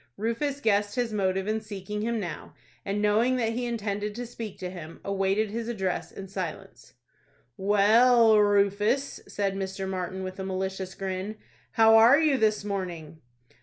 Rufus guessed his motive in seeking him now, and, knowing that he intended to speak to him, awaited his address in silence. "Well, Rufus," said Mr. Martin, with a malicious grin, "how are you this morning?"